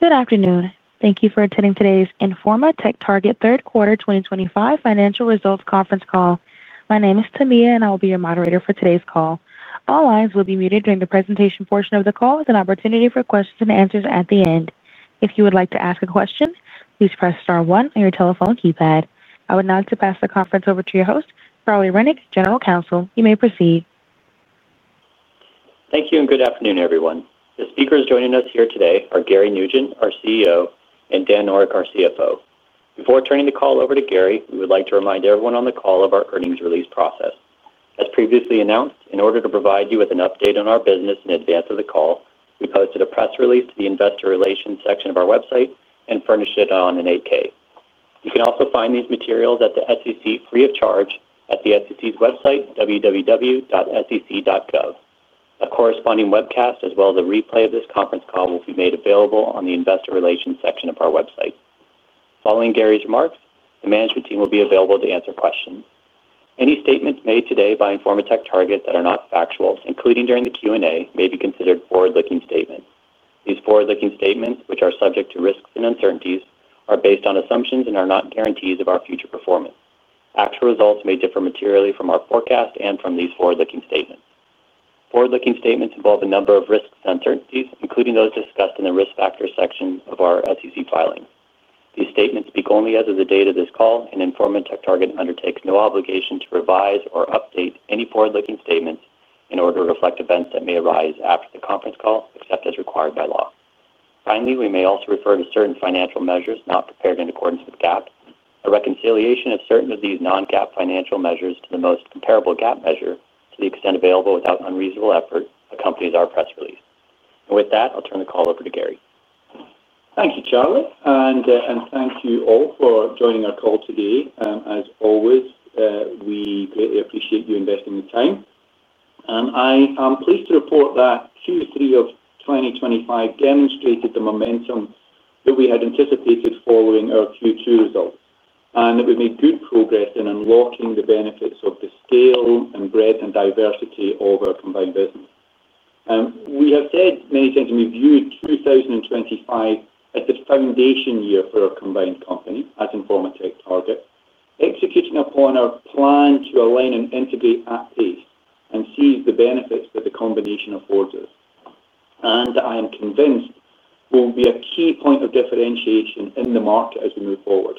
Good afternoon. Thank you for attending today's Informa TechTarget Q3 2025 Financial Results Conference Call. My name is Tamia, and I will be your moderator for today's call. All lines will be muted during the presentation portion of the call with an opportunity for questions and answers at the end. If you would like to ask a question, please press star one on your telephone keypad. I would now like to pass the conference over to your host, Charlie Rennick, General Counsel. You may proceed. Thank you and good afternoon, everyone. The speakers joining us here today are Gary Nugent, our CEO, and Dan Noreck, our CFO. Before turning the call over to Gary, we would like to remind everyone on the call of our earnings release process. As previously announced, in order to provide you with an update on our business in advance of the call, we posted a press release to the investor relations section of our website and furnished it on an 8K. You can also find these materials at the SEC free of charge at the SEC's website, www.sec.gov. A corresponding webcast, as well as a replay of this conference call, will be made available on the investor relations section of our website. Following Gary's remarks, the management team will be available to answer questions. Any statements made today by Informa TechTarget that are not factual, including during the Q&A, may be considered forward-looking statements. These forward-looking statements, which are subject to risks and uncertainties, are based on assumptions and are not guarantees of our future performance. Actual results may differ materially from our forecast and from these forward-looking statements. Forward-looking statements involve a number of risks and uncertainties, including those discussed in the risk factor section of our SEC filing. These statements speak only as of the date of this call, and Informa TechTarget undertakes no obligation to revise or update any forward-looking statements in order to reflect events that may arise after the conference call, except as required by law. Finally, we may also refer to certain financial measures not prepared in accordance with GAAP. A reconciliation of certain of these non-GAAP financial measures to the most comparable GAAP measure, to the extent available without unreasonable effort, accompanies our press release. With that, I'll turn the call over to Gary. Thank you, Charlie, and thank you all for joining our call today. As always, we greatly appreciate you investing your time. I am pleased to report that Q3 of 2025 demonstrated the momentum that we had anticipated following our Q2 results and that we've made good progress in unlocking the benefits of the scale and breadth and diversity of our combined business. We have said many things, and we view 2025 as the foundation year for our combined company as Informa TechTarget, executing upon our plan to align and integrate at pace and seize the benefits that the combination affords us. I am convinced this will be a key point of differentiation in the market as we move forward.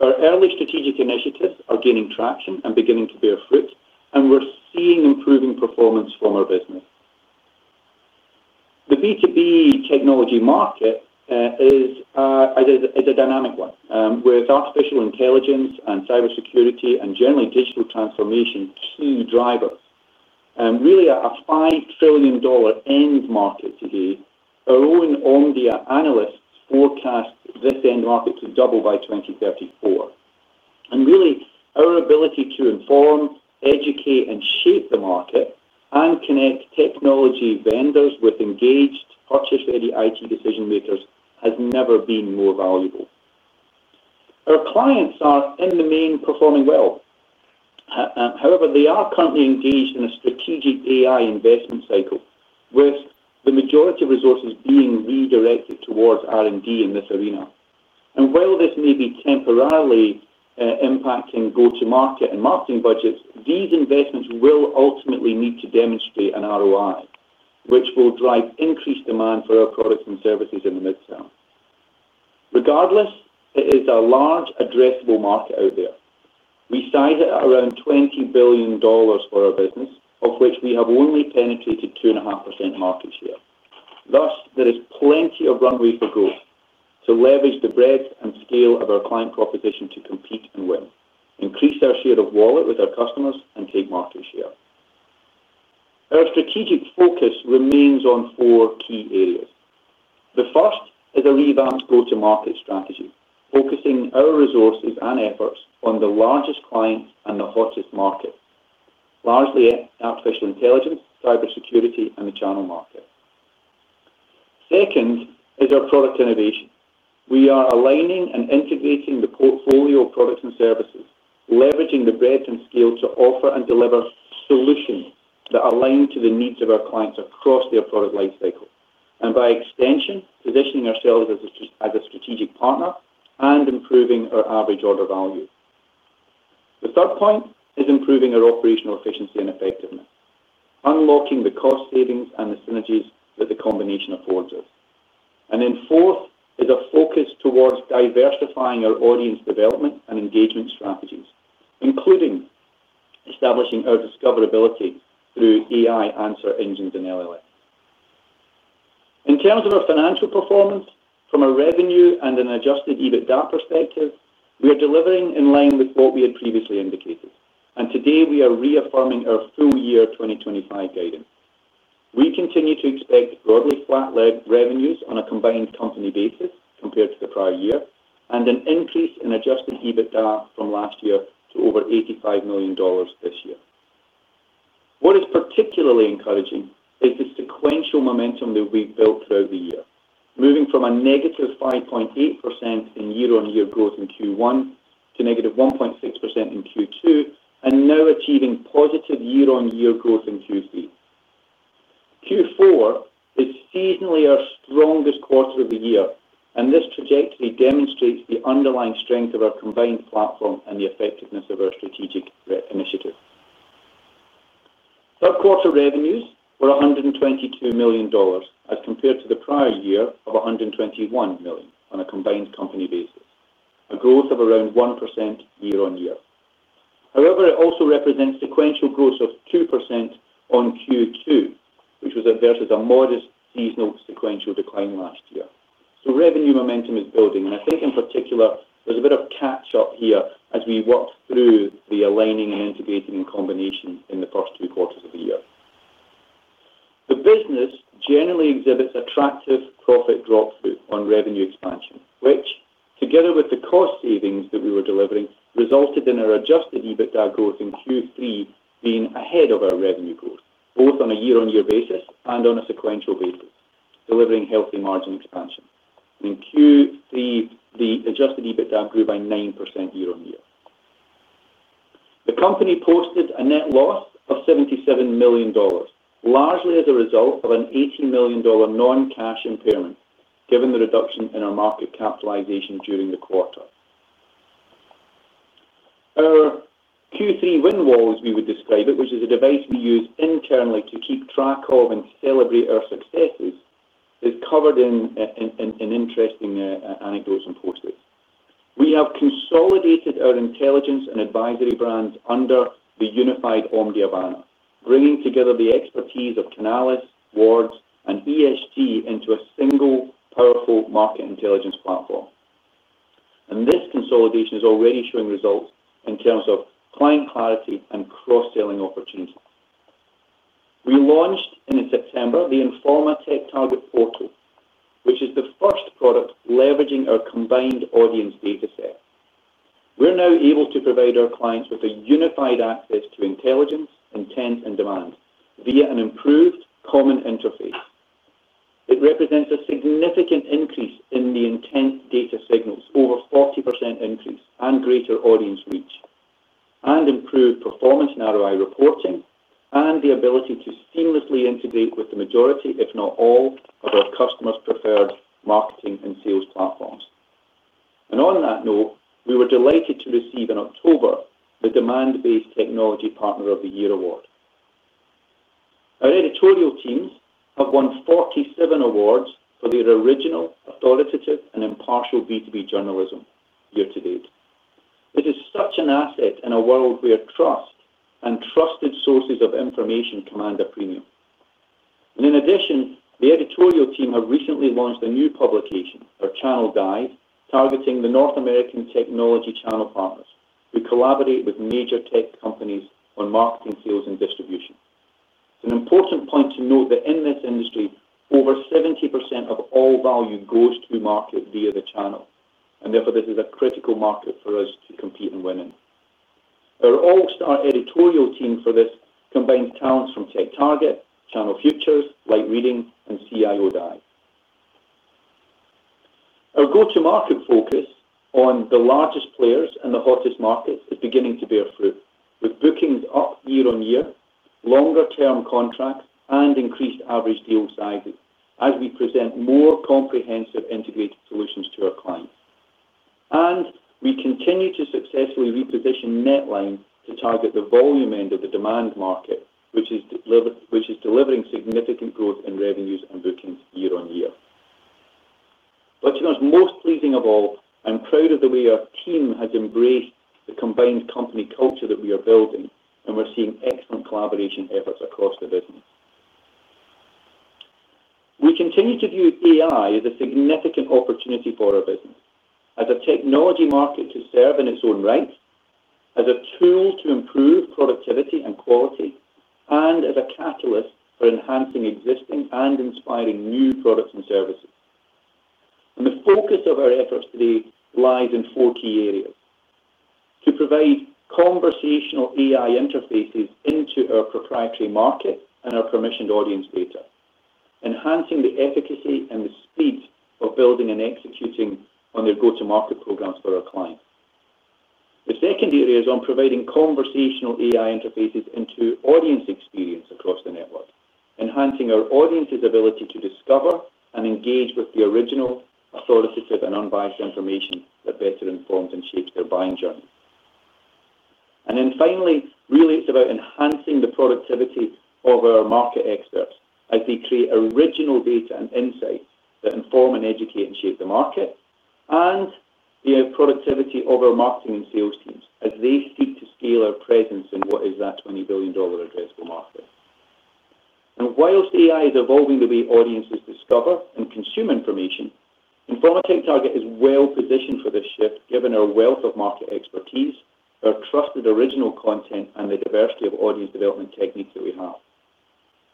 Our early strategic initiatives are gaining traction and beginning to bear fruit, and we're seeing improving performance from our business. The B2B technology market is a dynamic one with artificial intelligence and cybersecurity and generally digital transformation key drivers. Really, a $5 trillion end market today, our own Omdia analysts forecast this end market to double by 2034. Really, our ability to inform, educate, and shape the market and connect technology vendors with engaged, purchase-ready IT decision-makers has never been more valuable. Our clients are in the main performing well. However, they are currently engaged in a strategic AI investment cycle, with the majority of resources being redirected towards R&D in this arena. While this may be temporarily impacting go-to-market and marketing budgets, these investments will ultimately need to demonstrate an ROI, which will drive increased demand for our products and services in the midterm. Regardless, it is a large, addressable market out there. We size it at around $20 billion for our business, of which we have only penetrated 2.5% market share. Thus, there is plenty of runway for growth to leverage the breadth and scale of our client proposition to compete and win, increase our share of wallet with our customers, and take market share. Our strategic focus remains on four key areas. The first is a revamped go-to-market strategy, focusing our resources and efforts on the largest clients and the hottest markets, largely artificial intelligence, cybersecurity, and the channel market. Second is our product innovation. We are aligning and integrating the portfolio of products and services, leveraging the breadth and scale to offer and deliver solutions that align to the needs of our clients across their product lifecycle and, by extension, positioning ourselves as a strategic partner and improving our average order value. The third point is improving our operational efficiency and effectiveness, unlocking the cost savings and the synergies that the combination affords us. The fourth is a focus towards diversifying our audience development and engagement strategies, including establishing our discoverability through AI answer engines and LLMs. In terms of our financial performance, from a revenue and an adjusted EBITDA perspective, we are delivering in line with what we had previously indicated. Today, we are reaffirming our full year 2025 guidance. We continue to expect broadly flat revenues on a combined company basis compared to the prior year and an increase in adjusted EBITDA from last year to over $85 million this year. What is particularly encouraging is the sequential momentum that we have built throughout the year, moving from a -5.8% in year-on-year growth in Q1 to -1.6% in Q2 and now achieving positive year-on-year growth in Q3. Q4 is seasonally our strongest quarter of the year, and this trajectory demonstrates the underlying strength of our combined platform and the effectiveness of our strategic initiative. Q3 revenues were $122 million as compared to the prior year of $121 million on a combined company basis, a growth of around 1% year-on-year. However, it also represents sequential growth of 2% on Q2, which was versus a modest seasonal sequential decline last year. Revenue momentum is building, and I think in particular, there's a bit of catch-up here as we walk through the aligning and integrating and combination in the first two quarters of the year. The business generally exhibits attractive profit drop-through on revenue expansion, which, together with the cost savings that we were delivering, resulted in our adjusted EBITDA growth in Q3 being ahead of our revenue growth, both on a year-on-year basis and on a sequential basis, delivering healthy margin expansion. In Q3, the adjusted EBITDA grew by 9% year-on-year. The company posted a net loss of $77 million, largely as a result of an $80 million non-cash impairment, given the reduction in our market capitalization during the quarter. Our Q3 wind walls, we would describe it, which is a device we use internally to keep track of and celebrate our successes, is covered in an interesting anecdote in Post-it. We have consolidated our intelligence and advisory brands under the unified Omdia banner, bringing together the expertise of Canalys, Wards, and ESG into a single powerful market intelligence platform. This consolidation is already showing results in terms of client clarity and cross-selling opportunities. We launched in September the Informa TechTarget portal, which is the first product leveraging our combined audience data set. We are now able to provide our clients with unified access to intelligence, intent, and demand via an improved common interface. It represents a significant increase in the intent data signals, over 40% increase and greater audience reach, and improved performance in ROI reporting and the ability to seamlessly integrate with the majority, if not all, of our customers' preferred marketing and sales platforms. On that note, we were delighted to receive in October the Demand-Based Technology Partner of the Year award. Our editorial teams have won 47 awards for their original, authoritative, and impartial B2B journalism year to date. This is such an asset in a world where trust and trusted sources of information command a premium. In addition, the editorial team have recently launched a new publication, our Channel Guide, targeting the North American technology channel partners who collaborate with major tech companies on marketing, sales, and distribution. It is an important point to note that in this industry, over 70% of all value goes to market via the channel, and therefore this is a critical market for us to compete and win in. Our all-star editorial team for this combines talents from TechTarget, Channel Futures, Light Reading, and CIO Guide. Our go-to-market focus on the largest players and the hottest markets is beginning to bear fruit, with bookings up year-on-year, longer-term contracts, and increased average deal sizes as we present more comprehensive integrated solutions to our clients. We continue to successfully reposition net lines to target the volume end of the demand market, which is delivering significant growth in revenues and bookings year-on-year. Most pleasing of all, I'm proud of the way our team has embraced the combined company culture that we are building, and we're seeing excellent collaboration efforts across the business. We continue to view AI as a significant opportunity for our business, as a technology market to serve in its own right, as a tool to improve productivity and quality, and as a catalyst for enhancing existing and inspiring new products and services. The focus of our efforts today lies in four key areas: to provide conversational AI interfaces into our proprietary market and our permissioned audience data, enhancing the efficacy and the speed of building and executing on their go-to-market programs for our clients. The second area is on providing conversational AI interfaces into audience experience across the network, enhancing our audience's ability to discover and engage with the original, authoritative, and unbiased information that better informs and shapes their buying journey. Finally, really, it is about enhancing the productivity of our market experts as they create original data and insights that inform and educate and shape the market and the productivity of our marketing and sales teams as they seek to scale our presence in what is that $20 billion addressable market. Whilst AI is evolving the way audiences discover and consume information, Informa TechTarget is well positioned for this shift, given our wealth of market expertise, our trusted original content, and the diversity of audience development techniques that we have.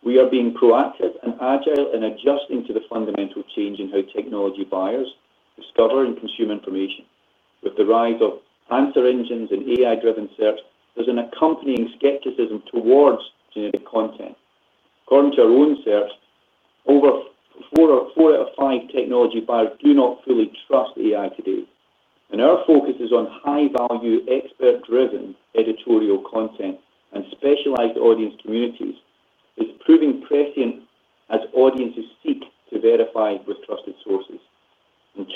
We are being proactive and agile in adjusting to the fundamental change in how technology buyers discover and consume information. With the rise of answer engines and AI-driven search, there's an accompanying skepticism towards generic content. According to our own search, over four out of five technology buyers do not fully trust AI today. Our focus is on high-value, expert-driven editorial content and specialized audience communities. It is proving prescient as audiences seek to verify with trusted sources.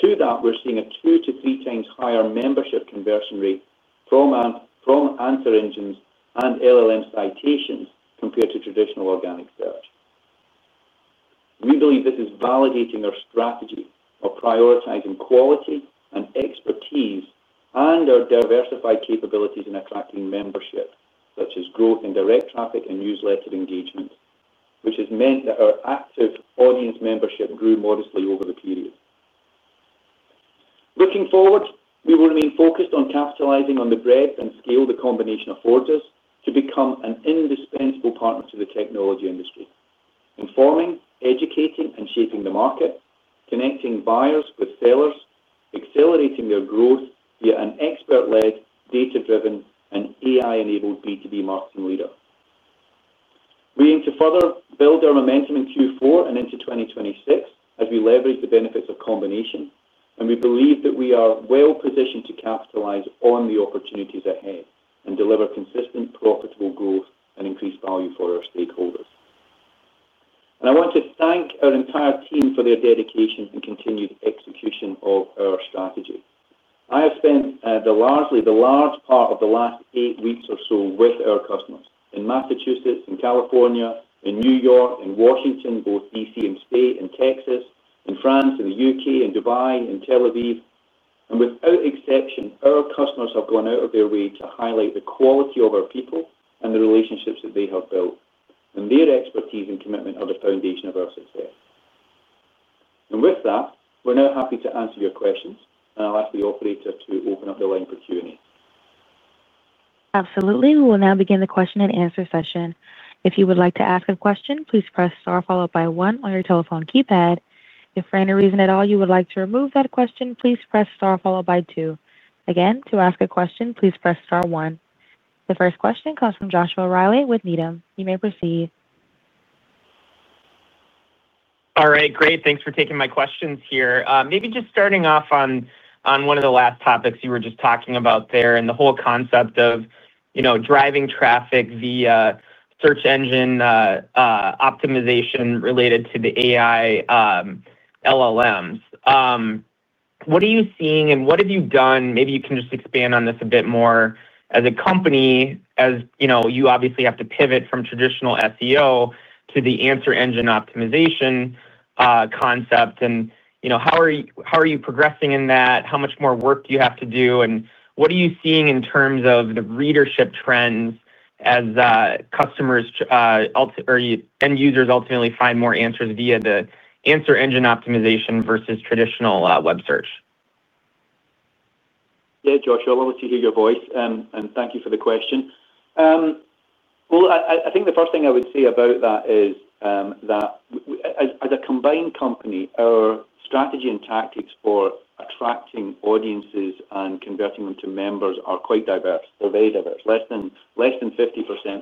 To that, we're seeing a two- to three-times higher membership conversion rate from answer engines and LLM citations compared to traditional organic search. We believe this is validating our strategy of prioritizing quality and expertise and our diversified capabilities in attracting membership, such as growth in direct traffic and newsletter engagement, which has meant that our active audience membership grew modestly over the period. Looking forward, we will remain focused on capitalizing on the breadth and scale the combination affords us to become an indispensable partner to the technology industry, informing, educating, and shaping the market, connecting buyers with sellers, accelerating their growth via an expert-led, data-driven, and AI-enabled B2B marketing leader. We aim to further build our momentum in Q4 and into 2026 as we leverage the benefits of combination, and we believe that we are well positioned to capitalize on the opportunities ahead and deliver consistent, profitable growth and increased value for our stakeholders. I want to thank our entire team for their dedication and continued execution of our strategy. I have spent largely the last eight weeks or so with our customers in Massachusetts, in California, in New York, in Washington, both D.C. and state, in Texas, in France, in the U.K., in Dubai, in Tel Aviv. Without exception, our customers have gone out of their way to highlight the quality of our people and the relationships that they have built. Their expertise and commitment are the foundation of our success. With that, we're now happy to answer your questions, and I'll ask the operator to open up the line for Q&A. Absolutely. We will now begin the question and answer session. If you would like to ask a question, please press star followed by one on your telephone keypad. If for any reason at all you would like to remove that question, please press star followed by two. Again, to ask a question, please press star one. The first question comes from Joshua Riley with Needham & Company. You may proceed. All right. Great. Thanks for taking my questions here. Maybe just starting off on one of the last topics you were just talking about there and the whole concept of driving traffic via search engine optimization related to the AI LLMs. What are you seeing and what have you done? Maybe you can just expand on this a bit more. As a company, you obviously have to pivot from traditional SEO to the answer engine optimization concept. How are you progressing in that? How much more work do you have to do? What are you seeing in terms of the readership trends as customers or end users ultimately find more answers via the answer engine optimization versus traditional web search? Yeah, Joshua, I love to hear your voice, and thank you for the question. I think the first thing I would say about that is that as a combined company, our strategy and tactics for attracting audiences and converting them to members are quite diverse. They're very diverse. Less than 50%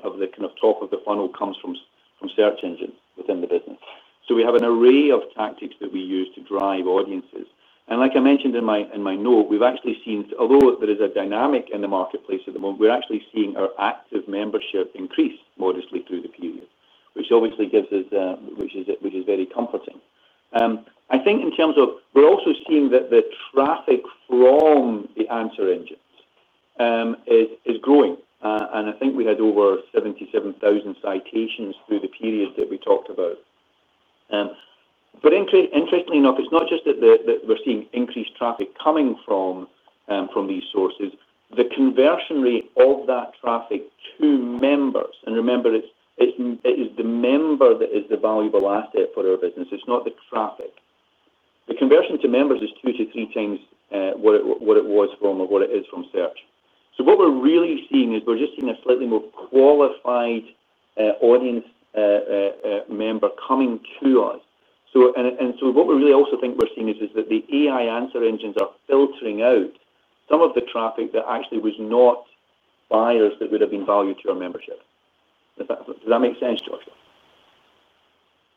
of the top of the funnel comes from search engines within the business. We have an array of tactics that we use to drive audiences. Like I mentioned in my note, we've actually seen, although there is a dynamic in the marketplace at the moment, we're actually seeing our active membership increase modestly through the period, which obviously gives us, which is very comforting. I think in terms of, we're also seeing that the traffic from the answer engines is growing. I think we had over 77,000 citations through the period that we talked about. Interestingly enough, it's not just that we're seeing increased traffic coming from these sources. The conversion rate of that traffic to members, and remember, it is the member that is the valuable asset for our business. It's not the traffic. The conversion to members is two to three times what it was from or what it is from search. What we're really seeing is we're just seeing a slightly more qualified audience member coming to us. What we really also think we're seeing is that the AI answer engines are filtering out some of the traffic that actually was not buyers that would have been valued to our membership. Does that make sense, Joshua?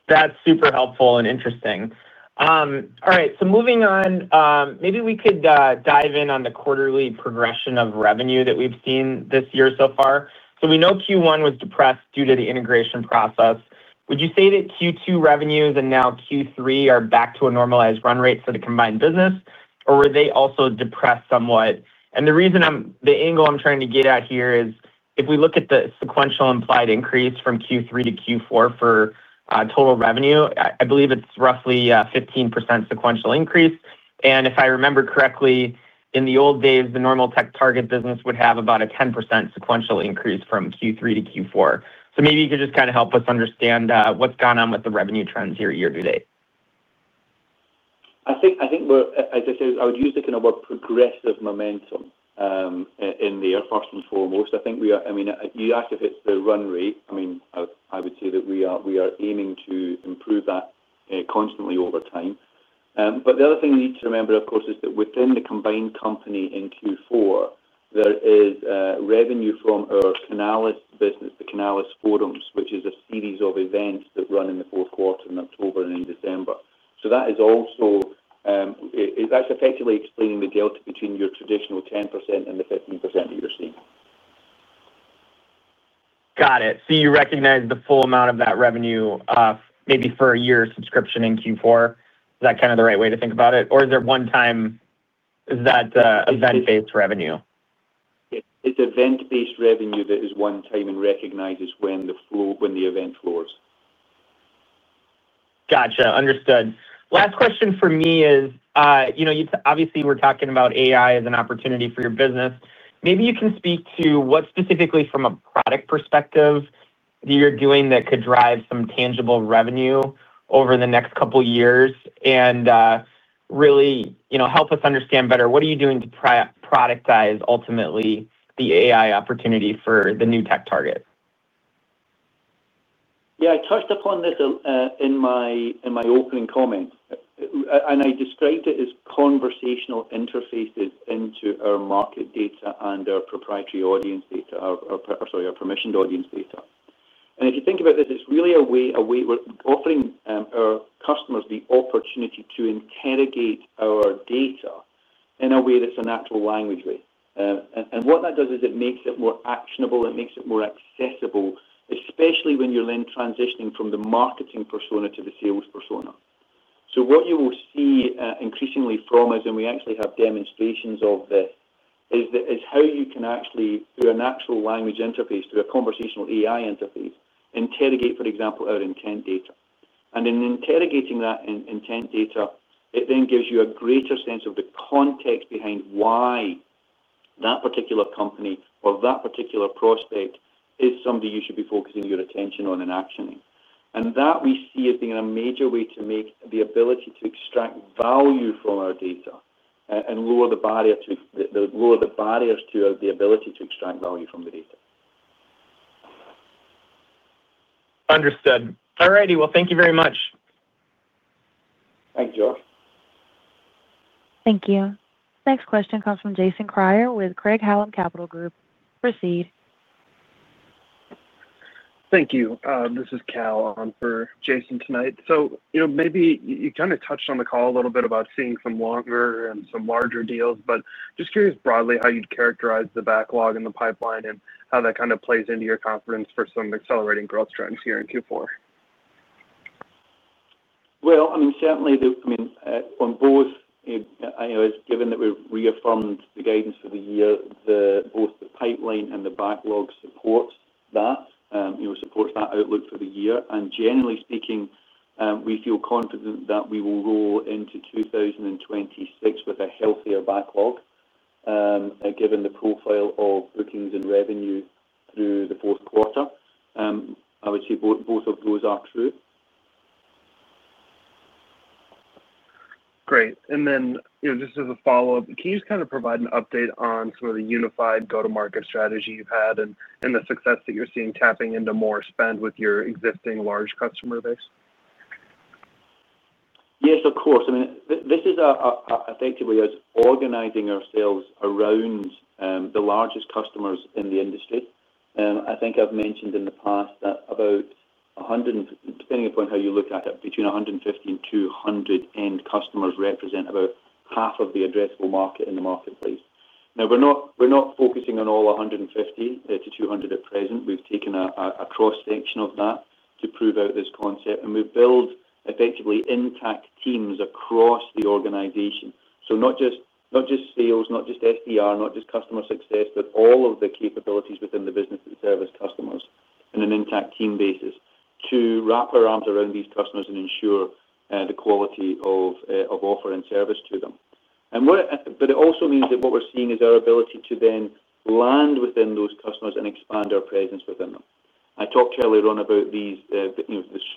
That's super helpful and interesting. All right. Moving on, maybe we could dive in on the quarterly progression of revenue that we've seen this year so far. So we know Q1 was depressed due to the integration process. Would you say that Q2 revenues and now Q3 are back to a normalized run rate for the combined business, or were they also depressed somewhat? The angle I'm trying to get at here is if we look at the sequential implied increase from Q3 to Q4 for total revenue, I believe it's roughly a 15% sequential increase. If I remember correctly, in the old days, the normal TechTarget business would have about a 10% sequential increase from Q3 to Q4. Maybe you could just kind of help us understand what's gone on with the revenue trends here year to date. I think, as I said, I would use the kind of progressive momentum in there, first and foremost. I think we are, I mean, you asked if it's the run rate. I mean, I would say that we are aiming to improve that constantly over time. The other thing we need to remember, of course, is that within the combined company in Q4, there is revenue from our Canalys business, the Canalys Forums, which is a series of events that run in the fourth quarter in October and in December. That is also effectively explaining the delta between your traditional 10% and the 15% that you're seeing. Got it. You recognize the full amount of that revenue maybe for a year's subscription in Q4. Is that kind of the right way to think about it? Or is there one time? Is that event-based revenue? It's event-based revenue that is one time and recognizes when the event floors. Gotcha. Understood. Last question for me is, obviously, we're talking about AI as an opportunity for your business. Maybe you can speak to what specifically from a product perspective that you're doing that could drive some tangible revenue over the next couple of years and really help us understand better what are you doing to productize ultimately the AI opportunity for the new TechTarget? Yeah. I touched upon this in my opening comment, and I described it as conversational interfaces into our market data and our proprietary audience data, or sorry, our permissioned audience data. If you think about this, it's really a way we're offering our customers the opportunity to interrogate our data in a way that's a natural language way. What that does is it makes it more actionable. It makes it more accessible, especially when you're then transitioning from the marketing persona to the sales persona. What you will see increasingly from, as we actually have demonstrations of this, is how you can actually, through a natural language interface, through a conversational AI interface, interrogate, for example, our intent data. In interrogating that intent data, it then gives you a greater sense of the context behind why that particular company or that particular prospect is somebody you should be focusing your attention on and actioning. That we see as being a major way to make the ability to extract value from our data and lower the barriers to the ability to extract value from the data. Understood. All righty. Thank you very much. Thanks, Josh. Thank you. Next question comes from Jason Cryer with Craig-Hallum Capital Group. Proceed. Thank you. This is Cal on for Jason tonight. Maybe you kind of touched on the call a little bit about seeing some longer and some larger deals, but just curious broadly how you'd characterize the backlog in the pipeline and how that kind of plays into your confidence for some accelerating growth trends here in Q4. I mean, certainly, I mean, on both, given that we've reaffirmed the guidance for the year, both the pipeline and the backlog supports that, supports that outlook for the year. Generally speaking, we feel confident that we will roll into 2026 with a healthier backlog given the profile of bookings and revenue through the fourth quarter. I would say both of those are true. Great. Just as a follow-up, can you just kind of provide an update on some of the unified go-to-market strategy you've had and the success that you're seeing tapping into more spend with your existing large customer base? Yes, of course. I mean, this is effectively us organizing ourselves around the largest customers in the industry. I think I've mentioned in the past that about, depending upon how you look at it, between 150 and 200 end customers represent about half of the addressable market in the marketplace. Now, we're not focusing on all 150-200 at present. We've taken a cross-section of that to prove out this concept. And we build effectively intact teams across the organization. Not just sales, not just SDR, not just customer success, but all of the capabilities within the business that serve as customers in an intact team basis to wrap our arms around these customers and ensure the quality of offer and service to them. It also means that what we're seeing is our ability to then land within those customers and expand our presence within them. I talked earlier on about the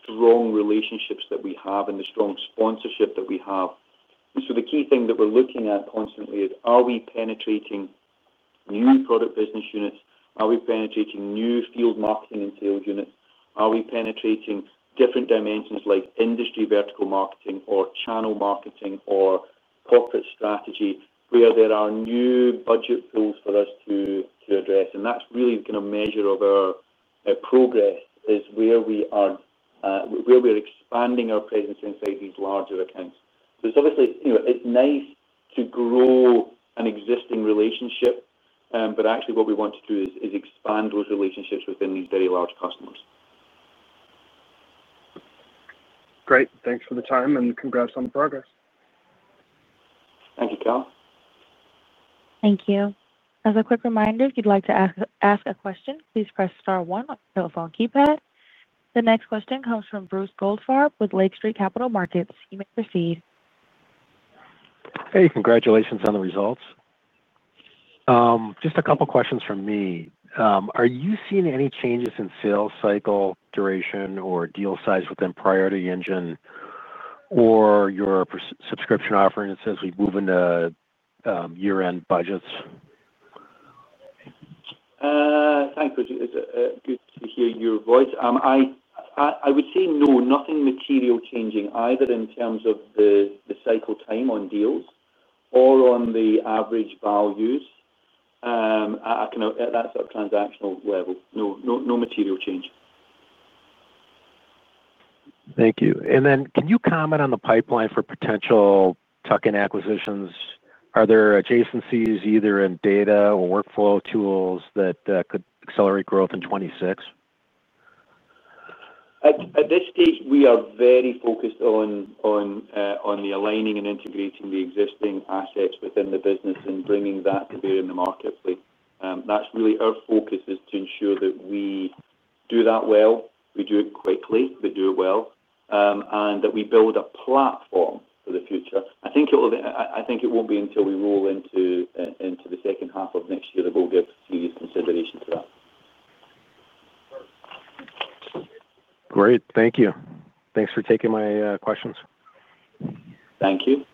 strong relationships that we have and the strong sponsorship that we have. The key thing that we're looking at constantly is, are we penetrating new product business units? Are we penetrating new field marketing and sales units? Are we penetrating different dimensions like industry vertical marketing or channel marketing or corporate strategy where there are new budget pools for us to address? That is really going to measure our progress, is where we are expanding our presence inside these larger accounts. It is obviously nice to grow an existing relationship, but actually what we want to do is expand those relationships within these very large customers. Great. Thanks for the time and congrats on the progress. Thank you, Cal. Thank you. As a quick reminder, if you would like to ask a question, please press star one on your telephone keypad. The next question comes from Bruce Goldfarb with Lake Street Capital Markets. You may proceed. Hey, congratulations on the results. Just a couple of questions from me. Are you seeing any changes in sales cycle, duration, or deal size within Priority Engine or your subscription offering since we have moved into year-end budgets? Thanks, Bruce. It is good to hear your voice. I would say no, nothing material changing either in terms of the cycle time on deals or on the average values at that sort of transactional level. No material change. Thank you. Can you comment on the pipeline for potential tuck-in acquisitions? Are there adjacencies either in data or workflow tools that could accelerate growth in 2026? At this stage, we are very focused on aligning and integrating the existing assets within the business and bringing that to bear in the marketplace. That is really our focus, to ensure that we do that well, we do it quickly, we do it well, and that we build a platform for the future. I think it will not be until we roll into the second half of next year that we will give serious consideration to that. Great. Thank you. Thanks for taking my questions. Thank you.